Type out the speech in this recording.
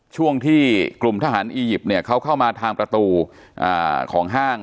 ช่วงที่กลุ่มทหารอียิปต์เนี่ยเขาเข้ามาทางประตูของห้าง